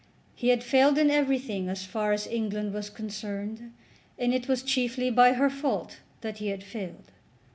He had failed in everything as far as England was concerned, and it was chiefly by her fault that he had failed.